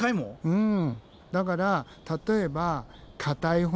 うん。